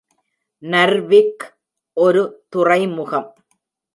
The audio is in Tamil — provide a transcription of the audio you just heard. நர்விக் ஒரு துறைமுகம்.